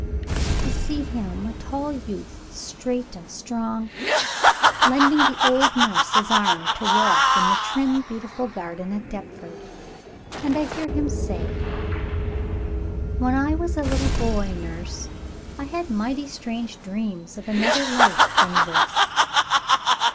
I see him, a tall youth, straight and strong, lending the old nurse his arm to walk in the trim, beautiful garden at Deptford. And I hear him say "When I was a little boy, nurse, I had mighty strange dreams of another life than this."